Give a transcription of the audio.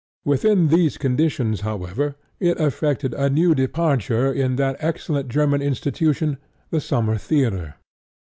Within these conditions, however, it effected a new departure in that excellent German institution, the summer theatre.